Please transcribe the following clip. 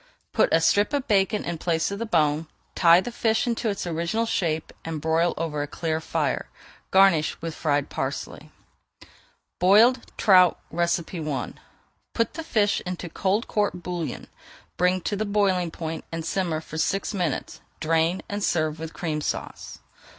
Put a strip of bacon in place of the bone, tie the fish into its original shape and broil over a clear fire. Garnish with fried parsley. BOILED TROUT I Put the fish into cold court bouillon, bring to the boiling point, and simmer for six minutes, drain, and serve with Cream Sauce.